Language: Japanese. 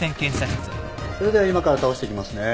それでは今から倒していきますね。